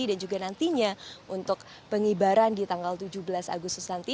dan juga nantinya untuk pengibaran di tanggal tujuh belas agustus nanti